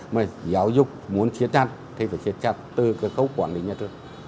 mà giáo dục muốn thiệt chặt thì phải thiệt chặt từ cái khẩu quản lý nhà trường